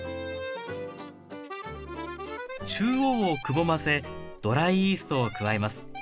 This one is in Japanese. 中央をくぼませドライイーストを加えます。